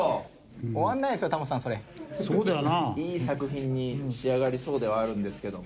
いい作品に仕上がりそうではあるんですけども。